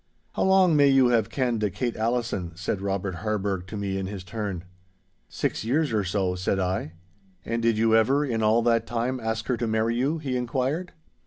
'How long may you have kenned Kate Allison?' said Robert Harburgh to me in his turn. 'Six years or so,' said I. 'And did you ever, in all that time, ask her to marry you?' he inquired.